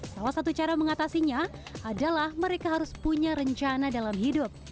salah satu cara mengatasinya adalah mereka harus punya rencana dalam hidup